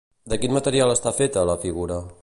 De quin material està feta, la figura?